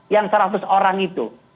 yang seratus orang itu